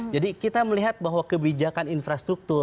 jadi kita melihat bahwa kebijakan infrastruktur